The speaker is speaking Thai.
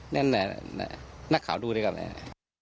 นี่แหละนักข่าวดูด้วยกัน